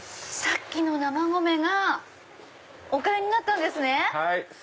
さっきの生米がお粥になったんですね！